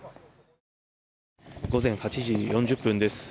午前８時４０分です。